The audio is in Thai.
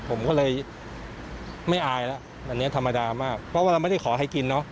ผมก็เลยไม่อายแล้วอันนี้ธรรมดามากเพราะว่าเราไม่ได้ขอให้กินเนอะ